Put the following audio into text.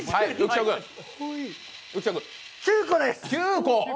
９個です！